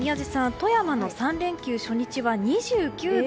富山の３連休初日は２９度。